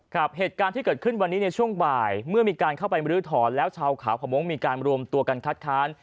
เหตุการณ์ที่เกิดขึ้นวันนี้ในช่วงบ่ายเมื่อมีการเข้าไปมรื้อถอนแล้วชาวขาวขมงค์มีการรวมตัวกันคัดค้าน